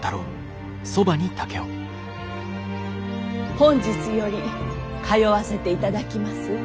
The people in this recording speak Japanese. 本日より通わせていただきます